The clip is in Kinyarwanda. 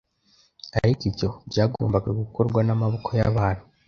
Ariko ibyo byagombaga gukorwa n'amaboko y'abantu.